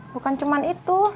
bukan cuman itu